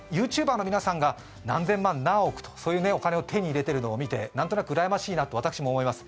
ＹｏｕＴｕｂｅｒの皆さんが何千万、何億というお金を手に入れているのを見て何となくうらやましいなと私も思います。